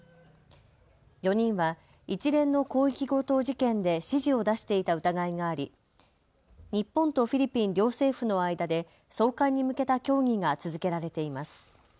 ４人は一連の広域強盗事件で指示を出していた疑いがあり日本とフィリピン両政府の間で送還に向けた協議が続けられています。